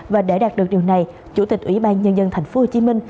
và để đạt được điều này chủ tịch ủy ban nhân dân thành phố hồ chí minh